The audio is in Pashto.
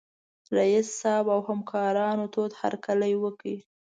رييس صاحب او همکارانو تود هرکلی وکړ.